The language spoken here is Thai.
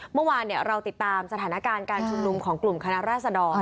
เมื่อวานเราติดตามสถานการณ์การชุมนุมของกลุ่มคณะราษดร